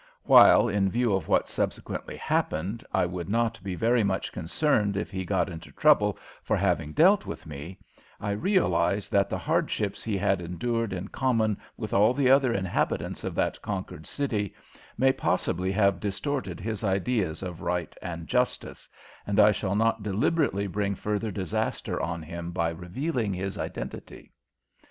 While, in view of what subsequently happened, I would not be very much concerned if he got into trouble for having dealt with me, I realize that the hardships he had endured in common with all the other inhabitants of that conquered city may possibly have distorted his ideas of right and justice, and I shall not deliberately bring further disaster on him by revealing his identity.